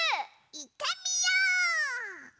いってみよう！